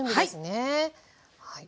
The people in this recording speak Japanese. はい。